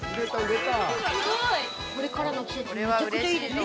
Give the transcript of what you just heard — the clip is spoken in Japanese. ◆これからの季節にめちゃくちゃいいですよ。